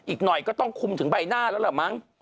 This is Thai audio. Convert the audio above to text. อีกหน่อยก็ต้องคุมถึงใบหน้าแล้วล่ะมั้ง